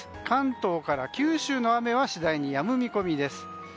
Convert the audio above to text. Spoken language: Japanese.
関東から九州の雨は次第にやむ見込みです。